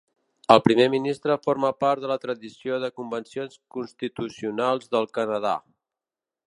El primer ministre forma part de la tradició de convencions constitucionals del Canadà.